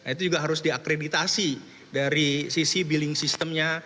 itu juga harus diakreditasi dari sisi billing systemnya